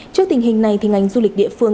trước tình hình này thì ngành du lịch địa phương